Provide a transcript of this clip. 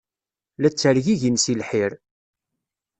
La ttergigin seg lḥir.